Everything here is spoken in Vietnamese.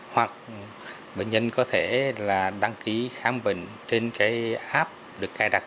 hoặc bệnh nhân có thể đăng ký khám bệnh trên app được cài đặt